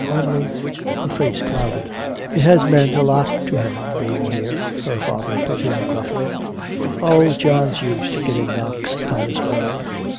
Only " her face clouded. "It has meant a lot to him, being here," her father put in gruffly. "Oh, John's used to getting knocks in this world."